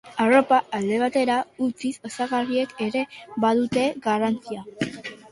Arropak alde batera utziz, osagarriek ere badute garrantzia.